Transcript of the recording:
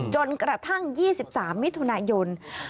จนกระทั่ง๒๓มิถุนายน